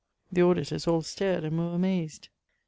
The auditors all stared and were amazed